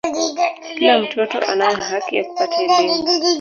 kila mtoto anayo haki ya kupata elimu